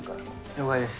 了解です。